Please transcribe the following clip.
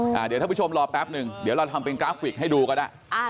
เดี๋ยวท่านผู้ชมรอแป๊บหนึ่งเดี๋ยวเราทำเป็นกราฟิกให้ดูก็ได้